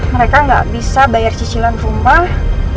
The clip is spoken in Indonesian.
mereka nggak bisa bayar cicilan rumah